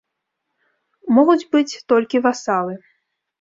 Могуць быць толькі васалы.